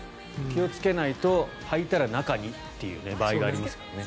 気をつけないとはいたら中にという場合がありますからね。